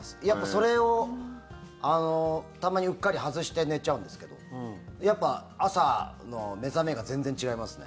それをたまに、うっかり外して寝ちゃうんですけどやっぱり朝の目覚めが全然違いますね。